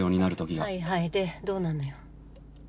はいはいでどうなのよ？